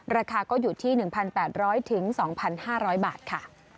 ราคาก็อยู่ที่๑๘๐๐๒๕๐๐บาทค่ะ